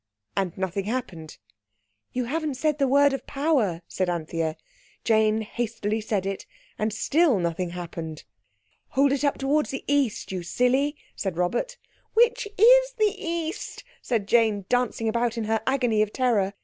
And nothing happened. "You haven't said the word of power," said Anthea. Jane hastily said it—and still nothing happened. "Hold it up towards the East, you silly!" said Robert. "Which is the East?" said Jane, dancing about in her agony of terror.